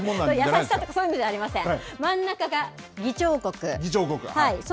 優しさとかそういうのじゃありません。